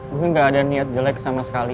gue gak ada niat jelek sama sekali